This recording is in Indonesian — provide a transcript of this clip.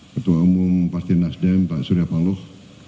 ketua umum pasti nasdem pak surya paloh